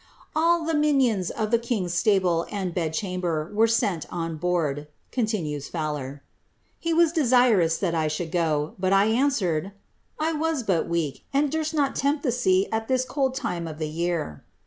^ All the minions of the king's stable and bed chamber were sent on board," continues Fowler. ^ He was desirous that I should go,' but 1 answered ' I was but weak, and durst not tempt the sea at this cold time of the year.'